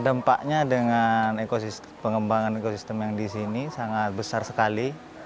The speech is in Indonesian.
dampaknya dengan pengembangan ekosistem yang disini sangat besar sekali